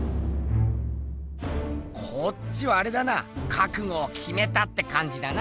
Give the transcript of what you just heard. こっちはあれだなかくごをきめたってかんじだな。